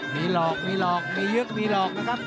มีหลอกมีหลอกมียึดมีหลอกนะครับ